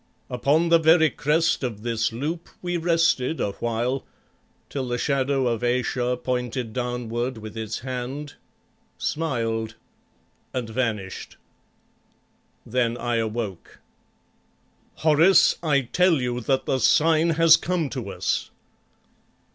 Upon the very crest of this loop we rested a while, till the Shadow of Ayesha pointed downward with its hand, smiled and vanished. Then I awoke. "Horace, I tell you that the sign has come to us."